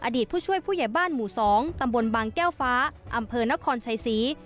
ผู้ช่วยผู้ใหญ่บ้านหมู่๒ตำบลบางแก้วฟ้าอำเภอนครชัยศรี